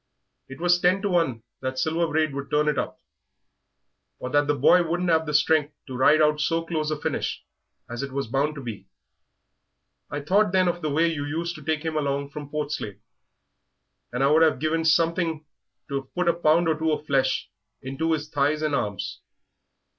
It was ten to one that Silver Braid would turn it up, or that the boy wouldn't 'ave the strength to ride out so close a finish as it was bound to be. I thought then of the way you used to take him along from Portslade, and I'd have given something to've put a pound or two of flesh into his thighs and arms.